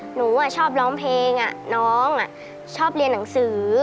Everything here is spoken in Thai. หนูชอบร้องเพลงน้องชอบเรียนหนังสือ